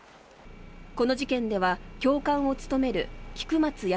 この事件では教官を務める菊松安